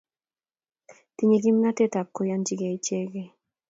tinye kimnatet ab koyanchigei ichegei